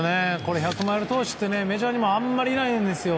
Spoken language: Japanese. １００マイル投手ってメジャーにもあんまりいないんです。